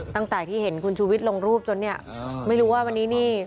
ตั้งแต่ที่เห็นคุณชูวิทย์ลงรูปจนเนี่ยไม่รู้ว่าวันนี้นี่